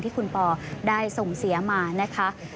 ที่คุณปอได้ส่งเสียมานะคะ